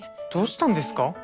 どうしたんですか？